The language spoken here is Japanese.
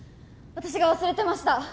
私が忘れてました